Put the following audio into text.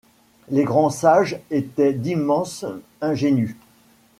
Les grands sages étaient d’immenses ingénus ;